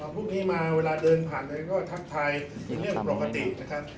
พรุ่งนี้มาเวลาเดินผ่านอะไรก็ทักทายเป็นเรื่องปกตินะครับ